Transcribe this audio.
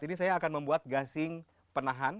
ini saya akan membuat gasing penahan